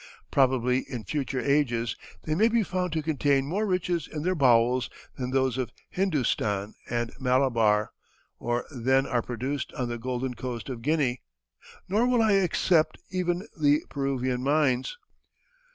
Probably, in future ages, they may be found to contain more riches in their bowels than those of Hindostan and Malabar, or than are produced on the golden coast of Guinea, nor will I except even the Peruvian mines.